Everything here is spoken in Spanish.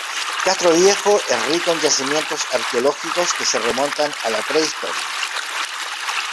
Castroviejo es rico en yacimientos arqueológicos que se remontan a la Prehistoria.